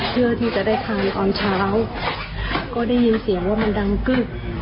เพื่อที่จะได้ทานตอนเช้าก็ได้ยินเสียงว่ามันดังกึ้ง